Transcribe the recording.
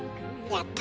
やった。